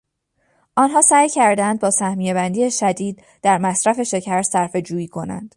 آنها سعی کردند با سهمیه بندی شدید، در مصرف شکر صرفهجویی کنند.